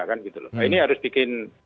nah ini harus bikin